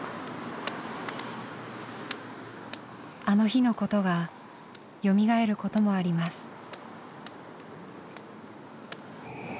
あの日のことがよみがえることもあります。